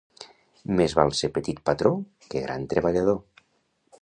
Més val ser petit patró que gran treballador.